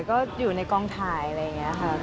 ก็อยู่ในกองถ่ายอะไรอย่างนี้ค่ะ